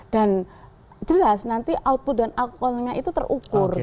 dan jelas nanti output dan outcome nya itu terukur gitu